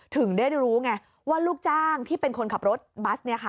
ถึงได้รู้ไงว่าลูกจ้างที่เป็นคนขับรถบัส